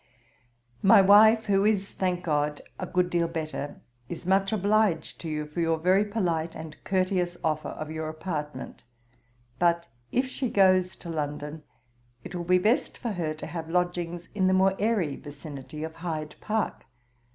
'My wife, who is, I thank GOD, a good deal better, is much obliged to you for your very polite and courteous offer of your apartment: but, if she goes to London, it will be best for her to have lodgings in the more airy vicinity of Hyde Park.